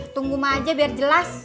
tunggu mah aja biar jelas